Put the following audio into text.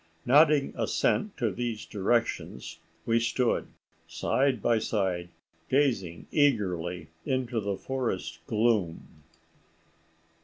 nodding assent to these directions, we stood side by side, gazing eagerly into the forest gloom.